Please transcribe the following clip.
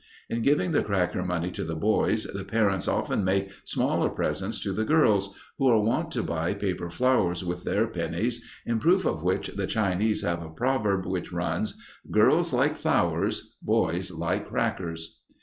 In giving the cracker money to the boys, the parents often make smaller presents to the girls, who are wont to buy paper flowers with their pennies, in proof of which the Chinese have a proverb which runs, "Girls like flowers; boys like crackers."